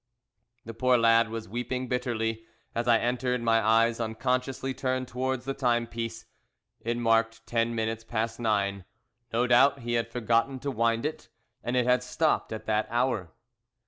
The poor lad was weeping bitterly. As I entered, my eyes unconsciously turned towards the timepiece; it marked ten minutes past nine. No doubt he had forgotten to wind it, and it had stopped at that hour.